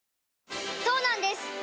そうなんです